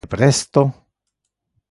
Perque ha tu venite presto?